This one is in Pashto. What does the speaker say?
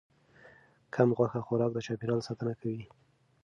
کم غوښه خوراک د چاپیریال ساتنه کوي.